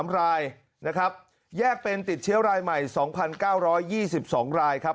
๓รายนะครับแยกเป็นติดเชื้อรายใหม่๒๙๒๒รายครับ